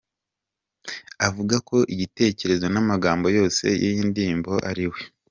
Avuga ko igitekerezo namagambo yose yiyi ndirimbo ari we.